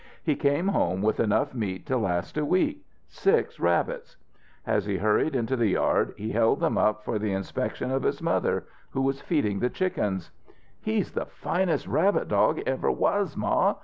He came home with enough meat to last a week six rabbits. As he hurried into the yard he held them up for the inspection of his mother, who was feeding the chickens. "He's the finest rabbit dog ever was, Ma!